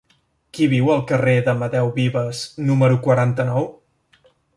Qui viu al carrer d'Amadeu Vives número quaranta-nou?